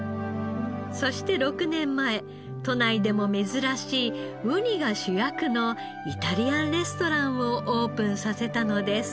そして６年前都内でも珍しいウニが主役のイタリアンレストランをオープンさせたのです。